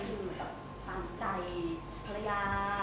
อยู่ตรงก่อนใจบรรยา